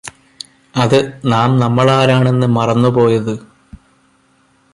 അത് നാം നമ്മളാരാണെന്ന് മറന്നുപോയത്